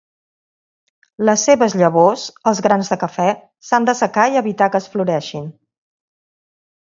Les seves llavors, els grans de cafè, s'han d'assecar i evitar que es floreixin.